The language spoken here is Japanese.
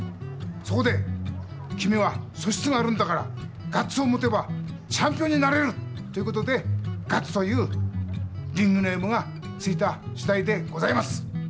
そこで「きみはそしつがあるんだからガッツをもてばチャンピオンになれる！」ということで「ガッツ」というリングネームがついたしだいでございます！